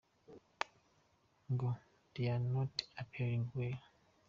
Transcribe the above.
Ngo "they are not appearing well ".